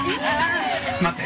待って！